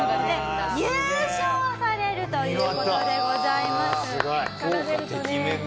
はい。